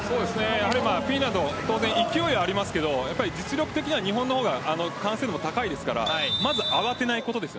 フィンランドは当然、勢いもありますが実力的には日本の方が完成度が高いですからまず慌てないことです。